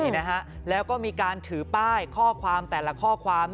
นี่นะฮะแล้วก็มีการถือป้ายข้อความแต่ละข้อความ